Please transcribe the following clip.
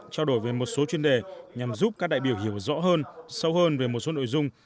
trao đổi về một số chuyên đề nhằm giúp các đại biểu hiểu rõ hơn sâu hơn về một số nội dung